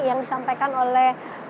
yang disampaikan oleh